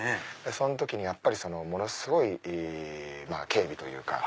その時にものすごい警備というか。